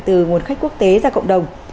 từ nguồn khách quốc tế ra cộng đồng